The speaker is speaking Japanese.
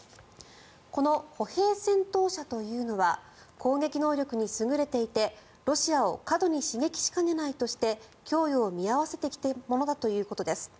この歩兵戦闘車というのは攻撃能力に優れていてロシアを過度に刺激しかねないとして供与を見合わせてきたものだということです。